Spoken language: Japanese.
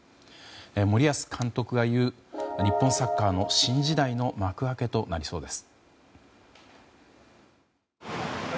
森保監督が言う日本サッカーの新時代の幕開けとなりそうです。